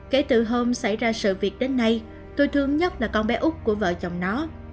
kể từ hôm xảy ra sự việc đến nay tôi thương nhất là con bé úc của vợ chồng nó